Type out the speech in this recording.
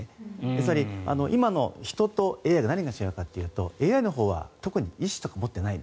つまり今の人とＡＩで何が違うかというとＡＩのほうは特に意思とかを持っていない。